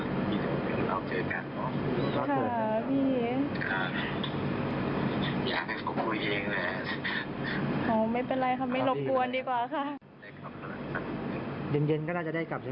ดีใจดีใจที่ยังได้เจอ